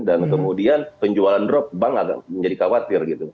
dan kemudian penjualan drop bank agak menjadi khawatir gitu